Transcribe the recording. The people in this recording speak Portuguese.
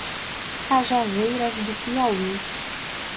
Cajazeiras do Piauí